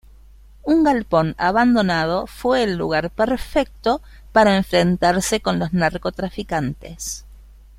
Un galpón abandonado fue el lugar perfecto para enfrentarse con los narcotraficantes.